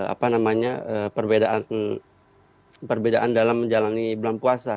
apa namanya perbedaan dalam menjalani bulan puasa